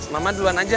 mama duluan aja